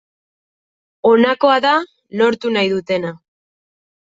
Honakoa da lortu nahi dutena.